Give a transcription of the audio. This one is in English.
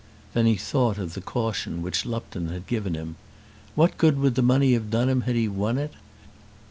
Then he thought of the caution which Lupton had given him. What good would the money have done him had he won it?